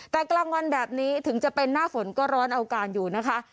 แต่กลางวันแบบนี้ถึงจะเป็นหน้าฝนก็ร้อนเอาการอยู่นะคะ